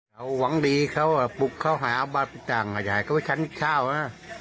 อยู่หวังดีเขาปุกเข้าหาบาดไปจังหยายเขาไปฉันกิ๊วค์เช้านะ